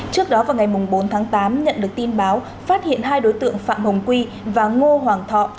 trước đó vào ngày bốn tháng tám nhận được tin báo phát hiện hai đối tượng phạm hồng quy và ngô hoàng thọ